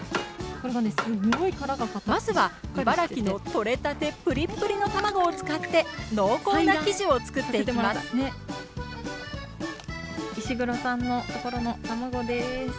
まずは茨城のとれたてプリップリの卵を使って濃厚な生地を作っていきます石黒さんのところの卵です。